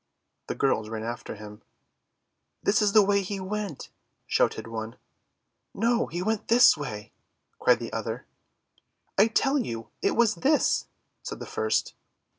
The girls ran after him. "This is the way he went," shouted one. "No, he went this way!" cried the other. "I tell you, it was this!" said the first.